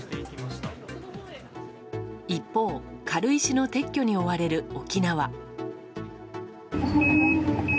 一方、軽石の撤去に追われる沖縄。